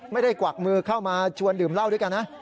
กวักมือเข้ามาชวนดื่มเหล้าด้วยกันนะ